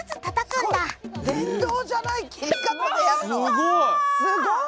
すごい！